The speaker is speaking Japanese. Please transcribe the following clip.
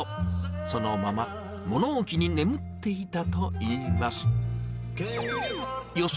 そのまま物置に眠っていたといいます。